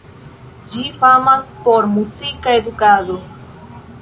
Ĝi famas por muzika edukado.